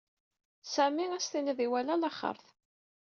Sami ad as-tiniḍ iwala alaxeṛt.